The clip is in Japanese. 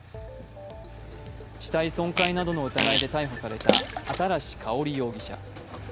死体損壊などの疑いで逮捕された新かほり容疑者。